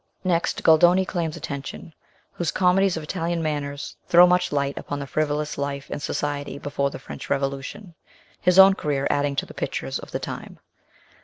Next Goldoni claims attention, whose comedies of Italian manners throw much light upon the frivolous life in society before the French Revolution, his own career adding to the pictures of the time.